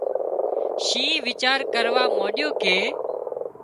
شينهن ويچار ڪروا مانڏيو ڪي